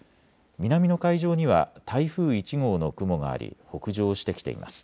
南の海上には台風１号の雲があり北上してきています。